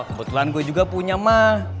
kebetulan gue juga punya mah